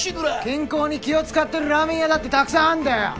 健康に気を遣ってるラーメン屋だってたくさんあんだよ。